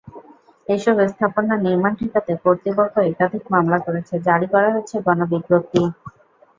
এসব স্থাপনার নির্মাণ ঠেকাতে কর্তৃপক্ষ একাধিক মামলা করেছে, জারি করা হয়েছে গণবিজ্ঞপ্তি।